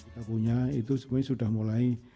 kita punya itu sebenarnya sudah mulai